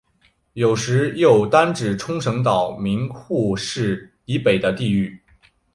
有时又单指冲绳岛名护市以北的地域。